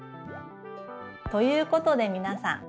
ということでみなさん